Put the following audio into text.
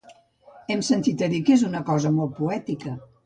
Hem sentit a dir que és una cosa molt poètica